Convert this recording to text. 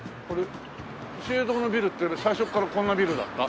資生堂のビルって最初からこんなビルだった？